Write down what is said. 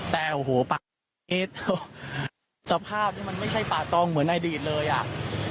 แต่โอ้โหป่าเอสสภาพนี้มันไม่ใช่ป่าตองเหมือนอดีตเลยอ่ะ